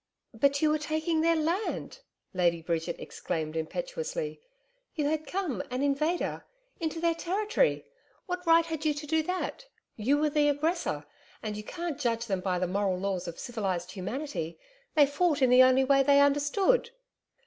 'But you were taking their land,' Lady Bridget exclaimed impetuously, 'you had come, an invader, into their territory. What right had you to do that? You were the aggressor. And you can't judge them by the moral laws of civilised humanity. They fought in the only way they understood.'